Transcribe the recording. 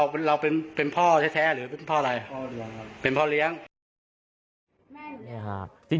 เป็นพ่อเลี้ยง